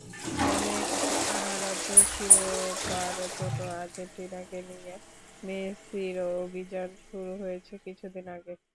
অনেক আরাধ্য শিরোপার জন্য আর্জেন্টিনাকে নিয়ে মেসির অভিযান শুরু হয়েছে কিছুদিন আগে।